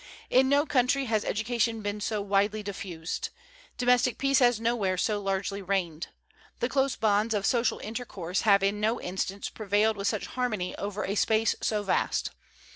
In no country has education been so widely diffused. Domestic peace has nowhere so largely reigned. The close bonds of social intercourse have in no instance prevailed with such harmony over a space so vast.